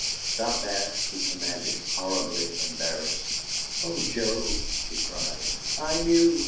"Stop that!" he commanded, horribly embarrassed. "Oh, Joe," she cried, "I knew!